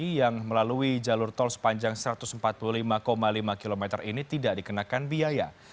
yang melalui jalur tol sepanjang satu ratus empat puluh lima lima km ini tidak dikenakan biaya